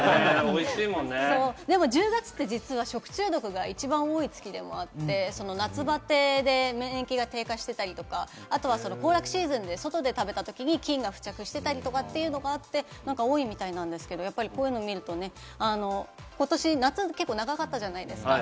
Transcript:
でも１０月で実は食中毒が一番多い月でもあって、夏バテで免疫が低下してたりとか、あとは行楽シーズンで外で食べたときに菌が付着してたりとかというのがあって、多いみたいなんですけれども、こういうのを見るとことし夏が結構長かったじゃないですか。